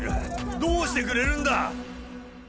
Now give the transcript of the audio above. どうしてくれるんだ！